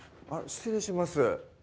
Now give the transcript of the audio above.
失礼します